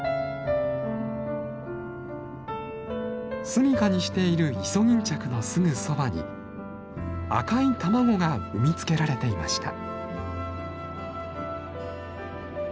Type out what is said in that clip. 住みかにしているイソギンチャクのすぐそばに赤い卵が産み付けられていました。